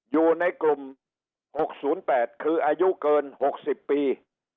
อยู่ในกลุ่ม๖๐๘คืออายุเกิน๖๐ปี